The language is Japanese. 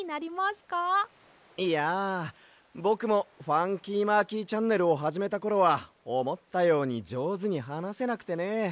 いやぼくも「ファンキーマーキーチャンネル」をはじめたころはおもったようにじょうずにはなせなくてね。